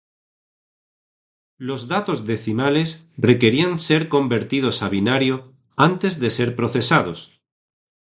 Los datos decimales requerían ser convertidos a binario antes de ser procesados.